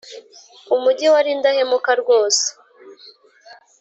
umugi wari indahemuka rwose